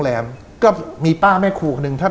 บางคนก็สันนิฐฐานว่าแกโดนคนติดยาน่ะ